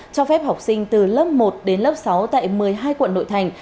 cho phép học sinh từ lớp một đến lớp sáu tại một mươi hai quận nội thành